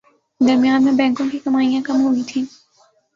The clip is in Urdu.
درمیان میں بینکوں کی کمائیاں کم ہوئیں تھیں